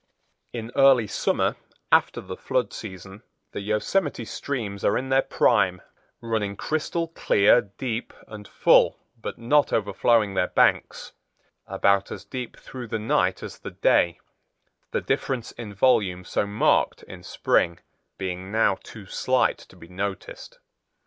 In early summer, after the flood season, the Yosemite streams are in their prime, running crystal clear, deep and full but not overflowing their banks—about as deep through the night as the day, the difference in volume so marked in spring being now too slight to be noticed.